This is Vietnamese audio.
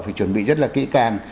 phải chuẩn bị rất là kỹ càng